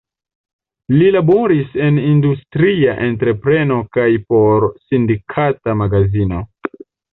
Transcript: Li laboris en industria entrepreno kaj por sindikata magazino.